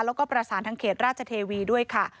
แล้วก็ประสานทางเขตราชเทวีด้วยค่ะ